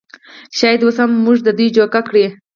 شايد اوس هم مونږ د دې جوګه کړي